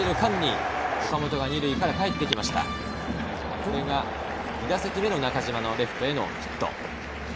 これが２打席目の中島のレフトへのヒット。